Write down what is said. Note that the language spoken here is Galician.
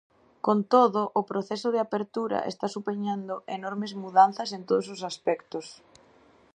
Con todo, o proceso de apertura está supoñendo enormes mudanzas en todos os aspectos.